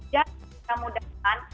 dan kita mudahkan